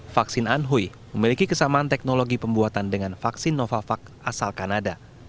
vaksin anhui memiliki kesamaan teknologi pembuatan dengan vaksin novavax asal kanada